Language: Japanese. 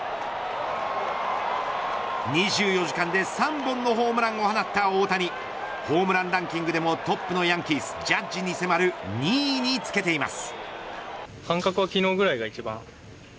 ２４時間で３本のホームランを放った大谷ホームランランキングでもトップのヤンキースジャッジに迫る２位につけています。